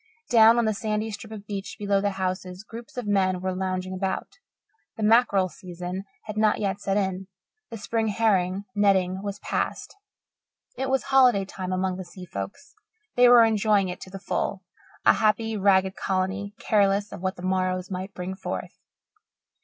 Down on the sandy strip of beach below the houses groups of men were lounging about. The mackerel, season had not yet set in; the spring herring netting was past. It was holiday time among the sea folks. They were enjoying it to the full, a happy, ragged colony, careless of what the morrows might bring forth.